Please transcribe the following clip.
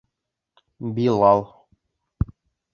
Билал